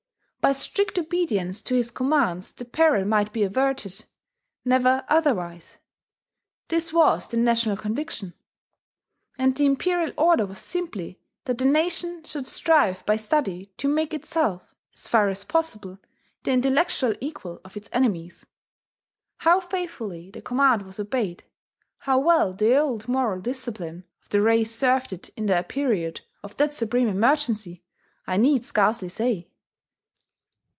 By strict obedience to his commands the peril might be averted, never otherwise: this was the national conviction. And the imperial order was simply that the nation should strive by study to make itself, as far as possible, the intellectual equal of its enemies. How faithfully that command was obeyed, how well the old moral discipline of the race served it in the period of that supreme emergency, I need scarcely say.